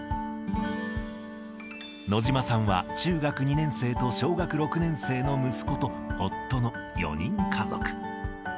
野島さんは中学２年生と小学６年生の息子と夫の４人家族。